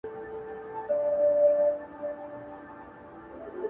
په ټوله ښار کي مو له ټولو څخه ښه نه راځي’